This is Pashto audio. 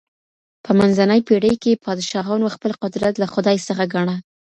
په منځنۍ پېړۍ کي پادشاهانو خپل قدرت له خدای څخه ګاڼه.